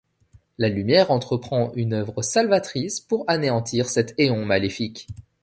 La Lumière entreprend une œuvre salvatrice pour anéantir cet éon maléfique.